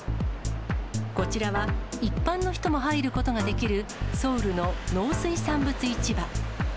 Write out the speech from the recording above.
こちらは、一般の人も入ることができる、ソウルの農水産物市場。